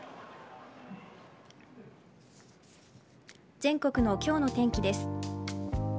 全国の今日の天気です。